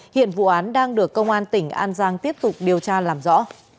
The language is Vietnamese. hiện vụ án đang được công an tỉnh an giang tiếp tục điều tra làm rõ